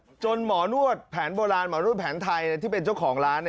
จนหมอนวดแผนโบราณหมอนวดแผนไทยที่เป็นเจ้าของร้าน